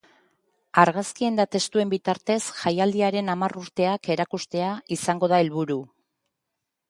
Argazkien eta testuen bitartez jaialdiaren hamar urteak erakustea izango du helburu.